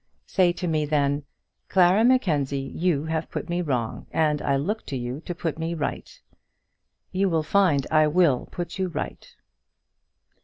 Say to me then, 'Clara Mackenzie, you have put me wrong, and I look to you to put me right.' You will find I will put you right."